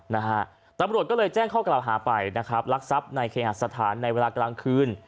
นะฮะตำรวจก็เลยแจ้งข้อกล่าวหาไปนะครับรักทรัพย์ในเคหสถานในเวลากลางคืน